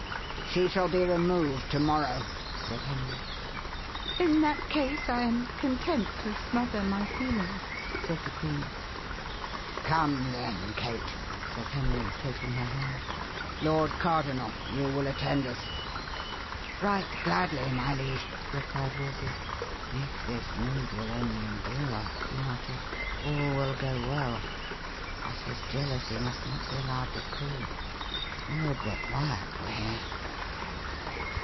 "She shall be removed to morrow," said Henry. "In that case I am content to smother my feelings," said the queen. "Come, then, Kate," said Henry, taking her hand. "Lord cardinal, you will attend us." "Right gladly, my liege," replied Wolsey. "If this mood will only endure," he muttered, "all will go well. But his jealousy must not be allowed to cool. Would that Wyat were here!"